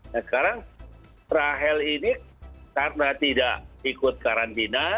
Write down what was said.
nah sekarang rahel ini karena tidak ikut karantina